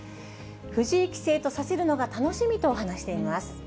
藤井棋聖と指せるのが楽しみと話しています。